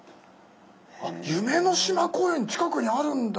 あっ夢の島公園近くにあるんだ。